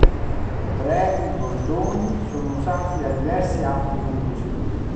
Brevi bordoni sono usati da diversi altri compositori.